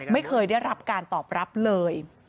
ไม่เคยได้รับการตอบรับเลย